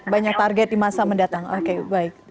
banyak target di masa mendatang oke baik